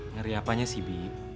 ngeri apanya sih bi